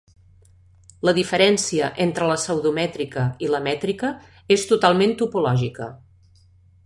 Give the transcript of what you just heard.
La diferència entre la pseudomètrica i la mètrica és totalment topològica.